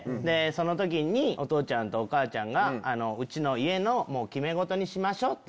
その時にお父ちゃんとお母ちゃんが家の決め事にしましょうって。